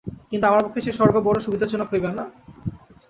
কিন্তু আমার পক্ষে সে-স্বর্গ বড় সুবিধাজনক হইবে না।